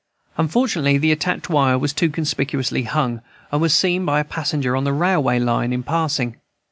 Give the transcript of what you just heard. Unfortunately, the attached wire was too conspicuously hung, and was seen by a passenger on the railway train in passing.